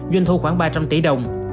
doanh thu khoảng ba trăm linh tỷ đồng